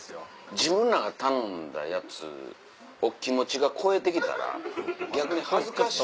自分らが頼んだやつお気持ちが超えて来たら逆に恥ずかしい。